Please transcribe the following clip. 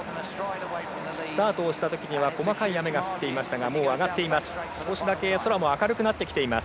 スタートをしたときには細かい雨が降っていましたがもう上がっています。